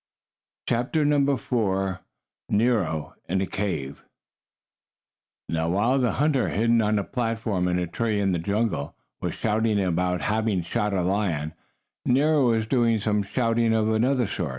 CHAPTER IV NERO IN A CAVE Now while the hunter, hidden on a platform in a tree in the jungle, was shouting about having shot a lion, Nero was doing some shouting of another sort.